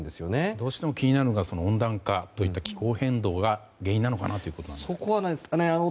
どうしても気になるのが温暖化といった気候変動が原因なのかなというところですが。